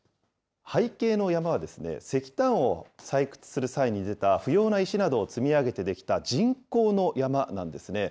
背景の山は、石炭を採掘する際に出た不要な石などを積み上げて出来た、人工の山なんですね。